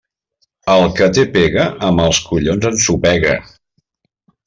El que té pega, amb els collons ensopega.